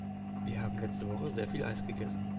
Wir haben letzte Woche sehr viel Eis gegessen.